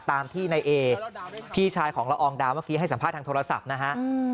ตามที่นายเอพี่ชายของละอองดาวเมื่อกี้ให้สัมภาษณ์ทางโทรศัพท์นะฮะ